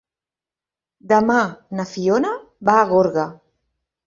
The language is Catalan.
Demà na Fiona va a Gorga.